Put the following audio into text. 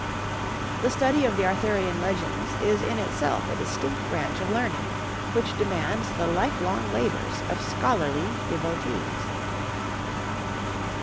The study of the Arthurian legends is in itself a distinct branch of learning, which demands the lifelong labors of scholarly devotees.